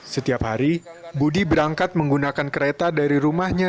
setiap hari budi berangkat menggunakan kereta dari rumahnya